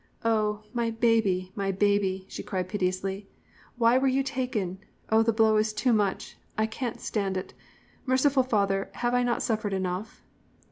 "'Oh! my baby, my baby!' she cried piteously. 'Why were you taken? Oh, the blow is too much! I can't stand it. Merciful Father, have I not suffered enough?'